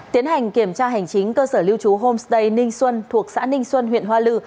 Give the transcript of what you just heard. tiến hành kiểm tra hành chính cơ sở lưu trú homestay ninh xuân thuộc xã ninh xuân huyện hoa lư